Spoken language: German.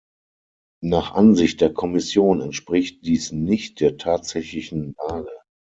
Nach Ansicht der Kommission entspricht dies nicht der tatsächlichen Lage.